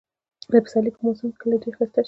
د پسرلي په موسم کې کلى ډېر ښايسته شي.